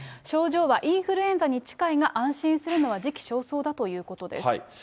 症状はインフルエンザに近いが、安心するのは時期尚早だということです。